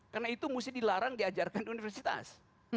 karena itu mesti dilarang diajarkan di universitas